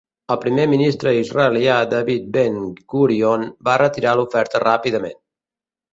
El primer ministre israelià David Ben-Gurion va retirar l'oferta ràpidament.